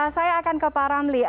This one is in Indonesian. saya akan ke pak ramli